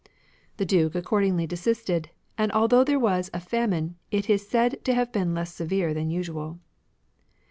The Duke accordingly desisted ; and although there was a famine, it is said to have been less severe than usual.